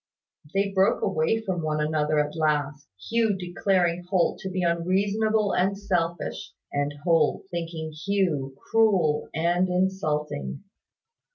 They broke away from one another at last, Hugh declaring Holt to be unreasonable and selfish, and Holt thinking Hugh cruel and insulting.